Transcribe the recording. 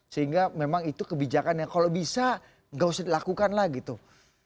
sehingga memang itu kebijakan yang kalau bisa nggak usah dilakukan lagi tuh